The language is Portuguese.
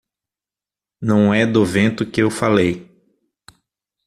Não é do vento que eu falei.